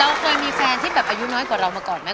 เราเคยมีแฟนที่แบบอายุน้อยกว่าเรามาก่อนไหม